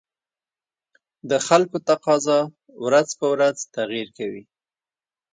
د خلکو تقاتضا ورځ په ورځ تغير کوي